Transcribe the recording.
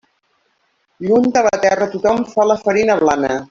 Lluny de la terra tothom fa la farina blana.